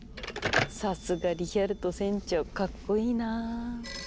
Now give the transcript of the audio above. さすがリヒャルト船長かっこいいな。